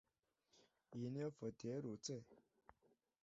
Iyi niyo foto iherutse?